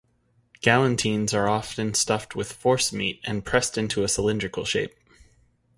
Galantines are often stuffed with forcemeat, and pressed into a cylindrical shape.